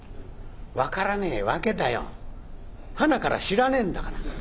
分からねえわけだよ端から知らねえんだから。